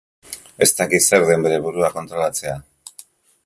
Ez daki zer den bere burua kontrolatzea.